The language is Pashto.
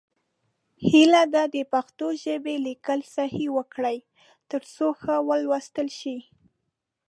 هیله ده د پښتو ژبې لیکل صحیح وکړئ، تر څو ښه ولوستل شي.